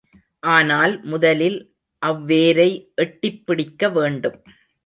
ஆனால், முதலில் அவ்வேரை எட்டிப் பிடிக்கவேண்டும்.